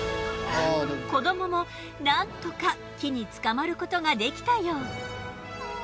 子どももなんとか木につかまることができたよう。